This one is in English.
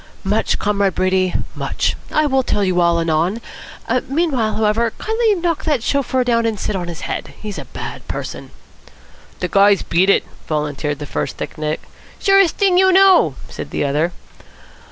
"Much, Comrade Brady, much. I will tell you all anon. Meanwhile, however, kindly knock that chauffeur down and sit on his head. He's a bad person." "De guy's beat it," volunteered the first thick neck. "Surest thing you know," said the other.